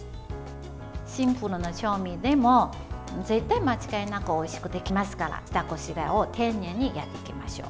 シンプルな調味でも絶対間違いなくおいしくできますから下ごしらえを丁寧にやっていきましょう。